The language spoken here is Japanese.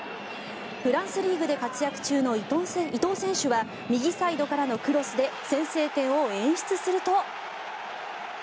フランスリーグで活躍中の伊東選手は右サイドからのクロスで先制点を演出すると。